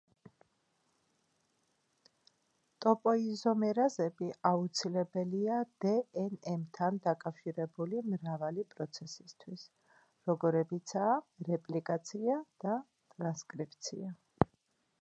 ტოპოიზომერაზები აუცილებელია დნმ-თან დაკავშირებული მრავალი პროცესისთვის, როგორებიცაა რეპლიკაცია და ტრანსკრიფცია.